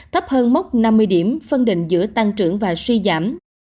thấp hơn mốc năm mươi điểm phân định giữa tăng trưởng và suy giảm